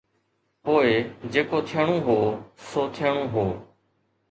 پوءِ جيڪو ٿيڻو هو سو ٿيڻو هو.